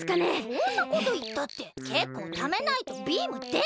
そんなこといったってけっこうためないとビームでないにゃ。